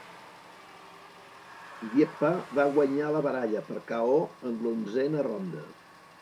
Dieppa va guanyar la baralla per KO en l'onzena ronda.